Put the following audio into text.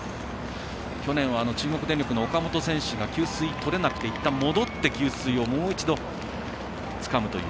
去年は中国電力の岡本選手給水取れなくていったん戻って給水をもう一度つかむという。